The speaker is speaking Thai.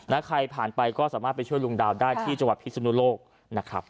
ใครผ่านไปก็สามารถไปช่วยลุงดาวได้ที่จังหวัดพิศนุโลกนะครับ